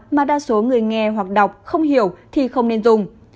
mà đa số người nghe hoặc đọc không hiểu thì không nên dùng